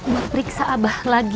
buat periksa abah lagu